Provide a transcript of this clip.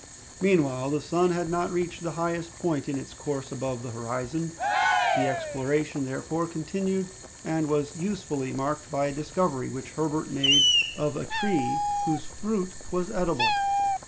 Meanwhile, the sun had not reached the highest point in its course above the horizon. The exploration, therefore, continued, and was usefully marked by a discovery which Herbert made of a tree whose fruit was edible.